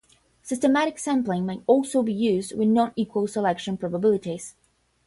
Systematic sampling may also be used with non-equal selection probabilities.